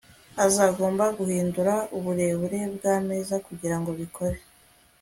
uzagomba guhindura uburebure bwameza kugirango bikore